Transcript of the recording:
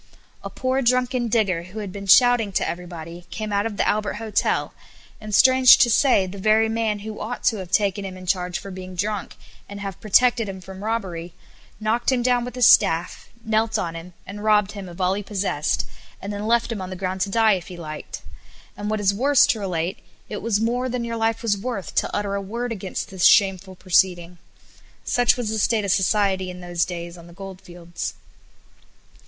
A poor drunken digger, who had been shouting to everybody, came out of the Albert Hotel and, strange to say, the very man who ought to have taken him in charge for being drunk, and have protected him from robbery, knocked him down with his staff, knelt on him, and robbed him of all he possessed, and then left him on the ground to die if he liked, and, what is worse to relate, it was more than your life was worth to utter a word against this shameful proceeding. Such was the state of society in those days on the goldfields.